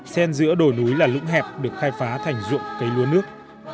sen giữa đồi núi là lũng hẹp được khai phá thành ruộng cây lúa nước